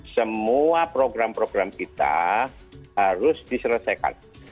semua program program kita harus diselesaikan